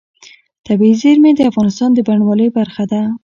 طبیعي زیرمې د افغانستان د بڼوالۍ برخه ده.